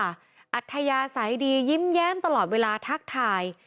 อัธยาศัยดียิ้มแย้มตลอดเวลาทักทาย